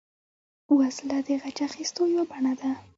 وسله د غچ اخیستو یوه بڼه ده